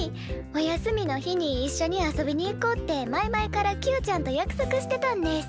お休みの日にいっしょに遊びに行こうって前々からキヨちゃんと約束してたんです。